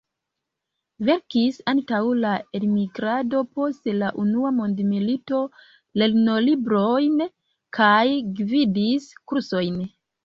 Verkis antaŭ la elmigrado post la Unua Mondmilito lernolibron kaj gvidis kursojn.